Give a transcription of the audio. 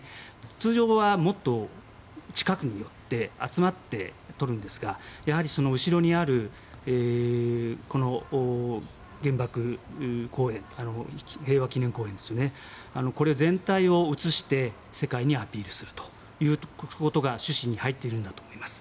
通常はもっと近くに寄って、集まって撮るんですが、やはり後ろにある平和記念公園ですよねこれ全体を写して世界にアピールするということが趣旨に入っていると思います。